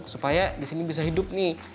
supaya di sini bisa hidup nih